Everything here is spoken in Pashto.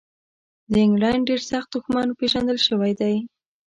د انګلینډ ډېر سخت دښمن پېژندل شوی دی.